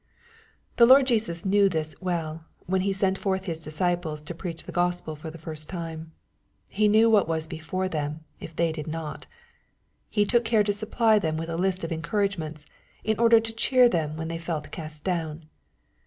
The Lord Jesus knew this well, when He sent forth His disciples to preach the Gospel for the first time. He knew what was before them, if they did not. He took care to supply them with a list of encouragements, in order to cheer them when they felt cast down.